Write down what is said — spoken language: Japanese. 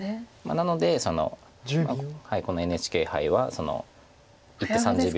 なのでこのＮＨＫ杯は１手３０秒。